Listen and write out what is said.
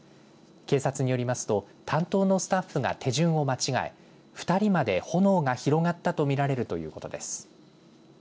警察によりますと担当のスタッフが手順を間違え２人まで炎が広がったと見られるということです。